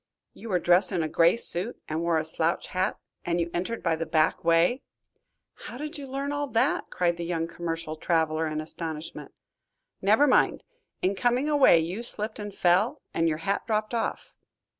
"You were dressed in a gray suit and wore a slouch hat, and you entered by the back way?" "How did you learn all that?" cried the young commercial traveler in astonishment. "Never mind. In coming away you slipped and fell, and your hat dropped off."